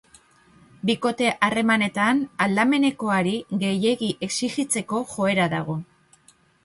Bikote harremanetan aldamenekoari gehiegi exijitzeko joera dago.